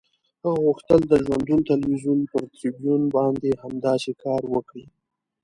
هغه غوښتل د ژوندون تلویزیون پر تریبیون باندې همداسې کار وکړي.